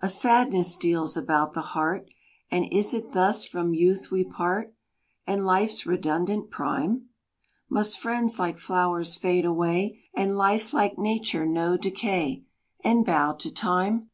A sadness steals about the heart, And is it thus from youth we part, And life's redundant prime? Must friends like flowers fade away, And life like Nature know decay, And bow to time?